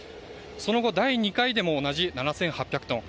その後、第２回でも同じ７８００トン。